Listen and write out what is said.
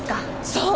そう。